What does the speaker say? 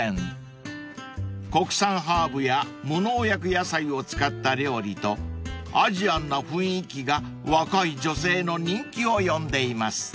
［国産ハーブや無農薬野菜を使った料理とアジアンな雰囲気が若い女性の人気を呼んでいます］